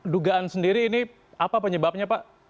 dugaan sendiri ini apa penyebabnya pak